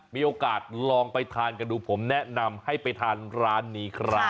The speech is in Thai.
มีโอกาสลองไปทานกันดูผมแนะนำให้ไปทานร้านนี้ครับ